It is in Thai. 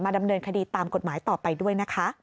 ดำเนินคดีตามกฎหมายต่อไปด้วยนะคะ